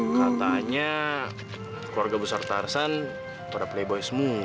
katanya keluarga besar tarsan pada playboy semua